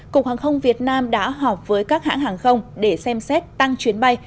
cục hàng không việt nam đã họp với các hãng hàng không để xem xét tăng chuyến bay